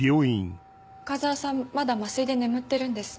岡澤さんまだ麻酔で眠ってるんです。